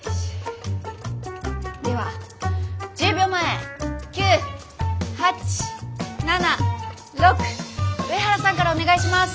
では１０秒前９８７６上原さんからお願いします。